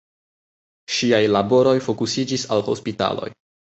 Ŝiaj laboroj fokusiĝis al hospitaloj.